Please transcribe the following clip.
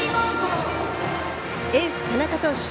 エース田中投手